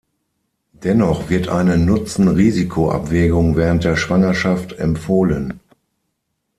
Dennoch wird eine Nutzen-Risiko-Abwägung während der Schwangerschaft empfohlen.